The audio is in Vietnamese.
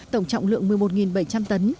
tổng trọng lượng một mươi một bảy trăm linh tấn